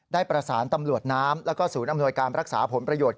ได้ประสานตำรวจน้ำแล้วก็ศูนย์อำนวยการรักษาผลประโยชน์